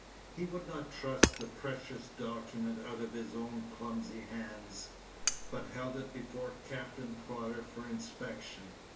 He would not trust the precious document out of his own clumsy hands, but held it before Captain Prodder for inspection.